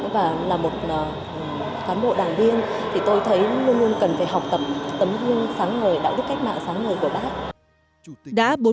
và là một khán bộ đảng viên thì tôi thấy luôn luôn cần phải học tập tấm hương sáng người đạo đức cách mạng sáng người của bác